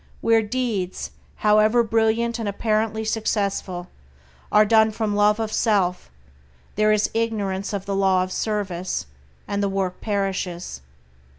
Where deeds, however brilliant and apparently successful, are done from love of self, there is ignorance of the Law of Service, and the work perishes.